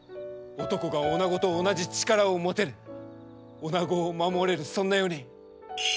男が女と同じ力を持てる女を守れるそんな世に。